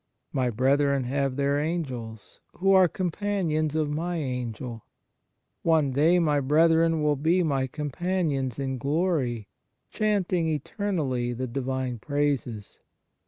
My brethren have their angels, who are com panions of my angel. One day my brethren 42 God s Charity for Men will be my companions in glory, chanting eternally the Divine praises.